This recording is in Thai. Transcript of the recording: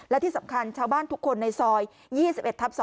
และที่สำคัญชาวบ้านทุกคนในซอย๒๑ทับ๒